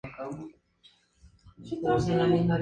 ¿vosotras partáis?